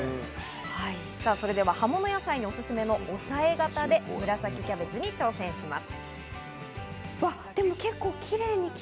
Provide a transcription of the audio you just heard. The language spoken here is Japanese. さぁ、それでは葉もの野菜におすすめの、押さえ型で紫キャベツに挑戦します。